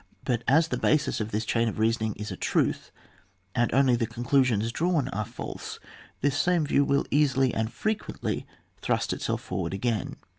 But as the basis of this chain of reason ing is a truth, and only the conclusions drawn are false, this same view will easily and frequently thrust itself for ward again.